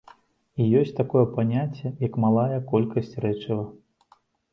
І ёсць такое паняцце, як малая колькасць рэчыва.